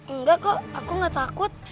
enggak kok aku gak takut